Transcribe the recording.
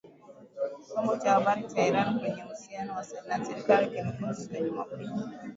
Chombo cha habari cha Iran chenye uhusiano na serikali kiliripoti siku ya Jumapili,